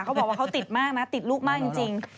เขาบอกว่าเขาติดมากนะติดลูกมากจริง